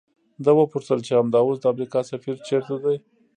ده وپوښتل چې همدا اوس د امریکا سفیر چیرته دی؟